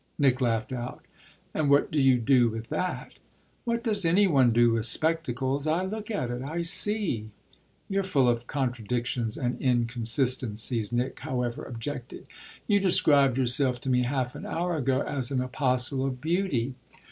Nick laughed out. "And what do you do with that?" "What does any one do with spectacles? I look at it. I see." "You're full of contradictions and inconsistencies," Nick however objected. "You described yourself to me half an hour ago as an apostle of beauty."